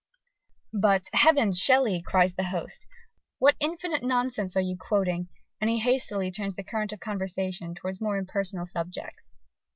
_) But "Heavens, Shelley!" cries his host, "what infinite nonsense are you quoting?" and he hastily turns the current of conversation towards more impersonal subjects.